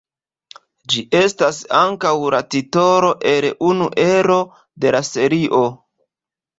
Ĝi estas ankaŭ la titolo el unu ero de la serio.